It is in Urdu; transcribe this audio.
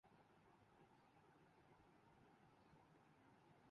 الفاظ کا جادو اپنی جگہ لیکن عوام عملی اقدامات چاہتی ہے